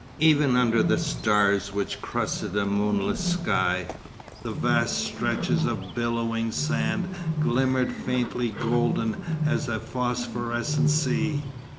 Even under the stars which crusted a moonless sky, the vast stretches of billowing sand glimmered faintly golden as a phosphorescent sea.